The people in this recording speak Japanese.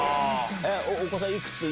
えっ、お子さんいくつ？